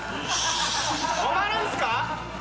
泊まるんすか！？